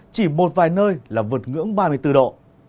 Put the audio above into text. chỉ một vài nơi là vượt ngưỡng ba mươi bốn độ